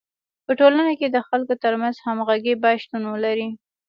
په ټولنه کي د خلکو ترمنځ همږغي باید شتون ولري.